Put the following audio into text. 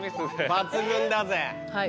抜群だぜ！